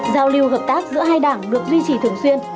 giao lưu hợp tác giữa hai đảng được duy trì thường xuyên